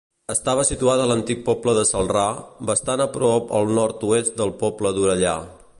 Estava situada a l'antic poble de Celrà, bastant a prop al nord-oest del poble d'Orellà.